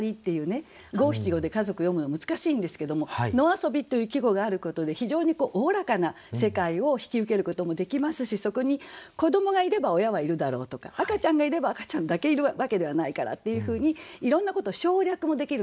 五七五で家族を詠むのは難しいんですけども「野遊」という季語があることで非常におおらかな世界を引き受けることもできますしそこに子どもがいれば親はいるだろうとか赤ちゃんがいれば赤ちゃんだけいるわけではないからっていうふうにいろんなことを省略もできるんですね。